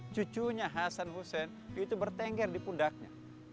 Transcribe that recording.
cucunya hasan hussein itu bertengger di pundaknya